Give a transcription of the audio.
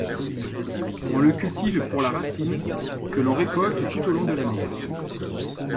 On le cultive pour sa racine que l'on récolte tout au long de l'année.